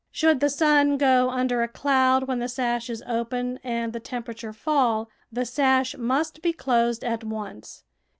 Should the sun go under a cloud when the sash is open and the temperature fall, the sash must be closed at once.